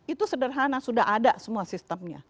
itu sederhana sudah ada semua sistemnya